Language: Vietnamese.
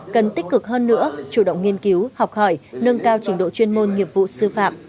cần tích cực hơn nữa chủ động nghiên cứu học hỏi nâng cao trình độ chuyên môn nghiệp vụ sư phạm